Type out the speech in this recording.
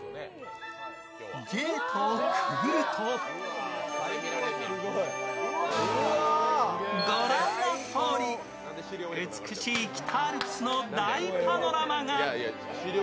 ゲートをくぐると、ご覧のとおり、美しい北アルプスの大パノラマが。